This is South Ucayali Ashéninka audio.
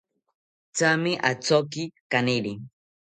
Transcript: Thame athoki kaniri